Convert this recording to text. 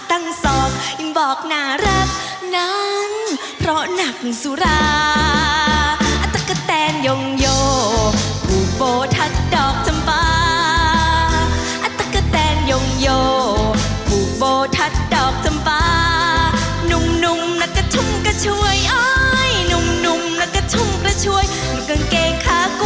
เธออยู่ในความรักของเธออยู่ในความรักของเธอ